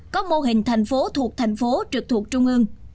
có mô hình thành phố thuộc tp trực thuộc trung ương